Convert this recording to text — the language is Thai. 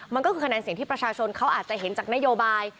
มันก็คือคะแนนเสียงที่ประชาชนเขาอาจจะเห็นจากนโยบาย